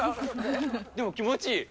でも気持ちいい。